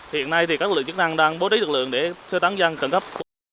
hiện nay các lượng chức năng đang bố trí thực lượng để sơ tán dăng cẩn cấp